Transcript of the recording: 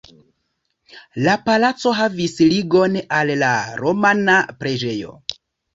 La palaco havis ligon al la romana preĝejo.